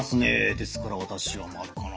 ですから私は○かな。